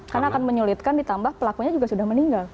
karena akan menyulitkan ditambah pelakunya juga sudah meninggal